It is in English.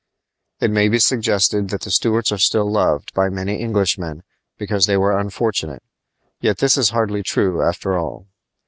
It may be suggested that the Stuarts are still loved by many Englishmen because they were unfortunate; yet this is hardly true, after all.